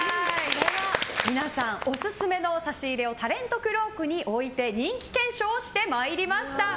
では皆さんオススメの差し入れをタレントクロークに置いて人気検証してまいりました。